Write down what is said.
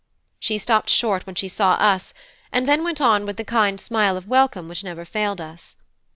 She stopped short when she saw us, then went on with the kind smile of welcome which never failed us.